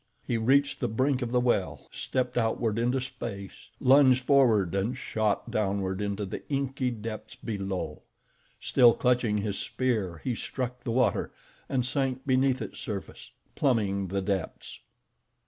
He reached the brink of the well, stepped outward into space, lunged forward, and shot downward into the inky depths below. Still clutching his spear, he struck the water, and sank beneath its surface, plumbing the depths.